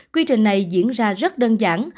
quy trình này diễn ra rất đơn giản